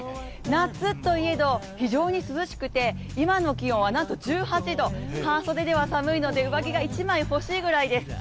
夏といえど非常に涼しくて今の気温はなんと１８度半袖では寒いので、上着が一枚欲しいぐらいです。